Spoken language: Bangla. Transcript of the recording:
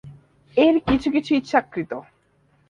এর কিছু কিছু ইচ্ছাকৃত।